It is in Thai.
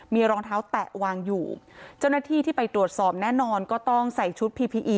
มีรองเท้าแตะวางอยู่เจ้าหน้าที่ที่ไปตรวจสอบแน่นอนก็ต้องใส่ชุดพีพีอี